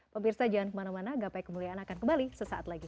pemirsa jangan kemana mana gapai kemuliaan akan kembali sesaat lagi